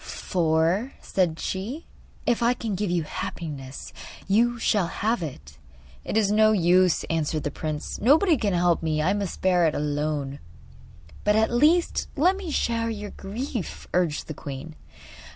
'For,' said she, 'if I can give you happiness you shall have it.' 'It is no use,' answered the prince; 'nobody can help me. I must bear it alone.' 'But at least let me share your grief,' urged the queen.